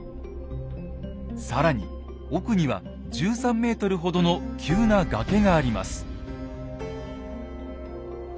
更に奥には１３ｍほどの急な崖があります。